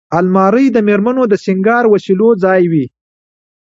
الماري د مېرمنو د سینګار وسیلو ځای وي